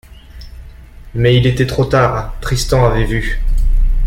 Mais il était trop tard, Tristan avait vu.